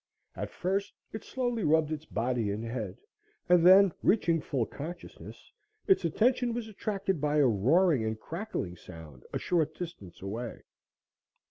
At first it slowly rubbed its body and head, and then, reaching full consciousness, its attention was attracted by a roaring and crackling sound a short distance away.